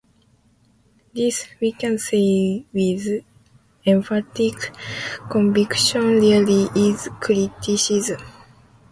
This, we can say with emphatic conviction, really "is" criticism".